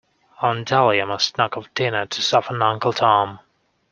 Aunt Dahlia must knock off dinner to soften Uncle Tom.